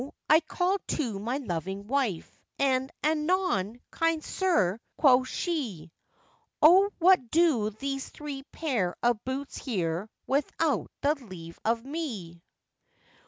I called to my loving wife, and 'Anon, kind sir!' quoth she; 'O! what do these three pair of boots here, without the leave of me?